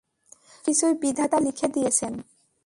সব কিছুই বিধাতা লিখে দিয়েছেন।